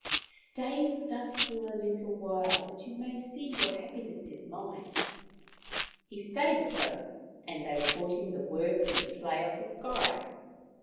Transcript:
Stay with us for a little while that you may see what happiness is mine. ,, He stayed with them, and they taught him the work and the play of the sky.